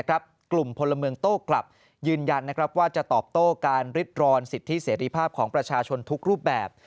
กลุ่มพลเมืองโต้กลับยืนยันว่าจะตอบโต้การริดรอนสิทธิเสรีภาพของประชาชนทุกรูปแบบ